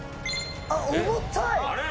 あっ重たい！